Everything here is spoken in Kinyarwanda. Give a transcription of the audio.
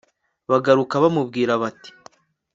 bagaruka bamubwira bati